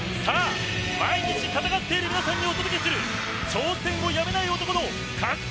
毎日戦っている皆さんにお伝えする挑戦をやめない男の格闘